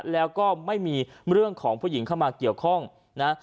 แล้วก็ไม่มีเรื่องของผู้หญิงเข้ามาเกี่ยวข้องนะ